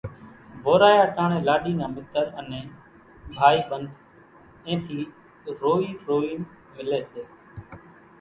وورايا ٽاڻيَ لاڏِي نان مِتر انين ڀائِي ٻنڌ اين ٿِي روئِي روئينَ مِليَ سي۔